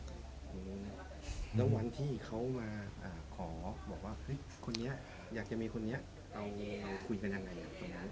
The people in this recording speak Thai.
แล้ววันที่เขามาขอบอกว่าเฮ้ยคนนี้อยากจะมีคนนี้คุยกันยังไง